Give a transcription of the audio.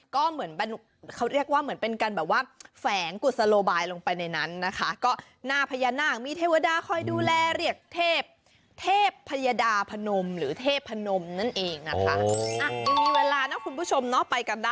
ก็เหมือนเขาเรียกว่าเหมือนเป็นการแบบว่าแฝงกุศโลบายลงไปในนั้นนะคะก็หน้าพญานาคมีเทวดาคอยดูแลเรียกเทพเทพพยดาพนมหรือเทพนมนั่นเองนะคะ